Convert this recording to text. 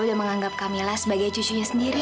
udah menganggap camilla sebagai cucunya sendiri